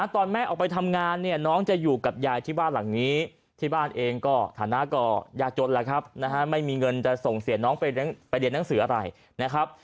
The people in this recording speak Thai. ตอนแม่ออกไปทำงานเนี่ยน้องจะอยู่กับยายที่บ้านหลังนี้ที่บ้านเองก็ฐานะก็ยากจนแล้วครับไม่มีเงินจะส่งเสียน้องไปเรียนหนังสืออะไรนะครับ